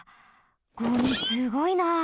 ゴミすごいな。